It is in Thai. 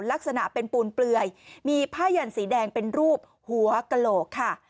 ลักษณะเป็นปูนเปลือยมีผ้ายันสีแดงเป็นรูปหัวกระโหลกค่ะ